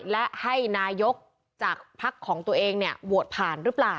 และให้นายกจากภักดิ์ของตัวเองโหวตผ่านหรือเปล่า